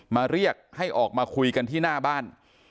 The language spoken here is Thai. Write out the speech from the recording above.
มาเรียกให้ออกมาคุยกันที่หน้าบ้าน